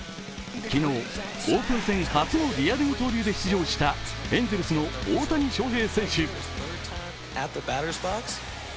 昨日、オープン戦初のリアル二刀流で出場したエンゼルスの大谷翔平選手。